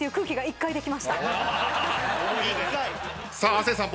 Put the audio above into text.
亜生さん